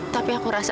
tapi aku rasa